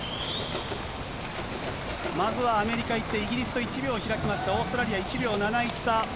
まずはアメリカいって、イギリスと１秒開きました、オーストラリア１秒７１差。